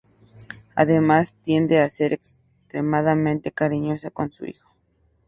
Además tiende a ser extremadamente cariñosa con su hijo.